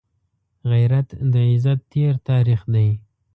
غیرت د عزت تېر تاریخ دی